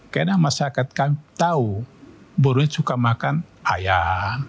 karena masyarakat kami tahu burung ini suka makan ayam